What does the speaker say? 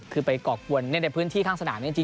คือไปก่อกวนในพื้นที่ข้างสนามจริง